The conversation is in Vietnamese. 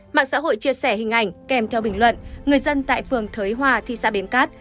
mạng xã hội chia sẻ hình ảnh kèm theo bình luận người dân tại phường thới hòa thị xã bến cát